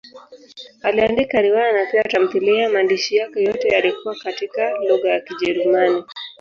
Aliandika riwaya na pia tamthiliya; maandishi yake yote yalikuwa katika lugha ya Kijerumani.